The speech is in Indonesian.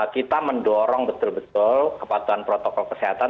kita mendorong betul betul kepatuhan protokol kesehatan